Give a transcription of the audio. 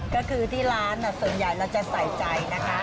ก็คือที่ร้านส่วนใหญ่เราจะใส่ใจนะคะ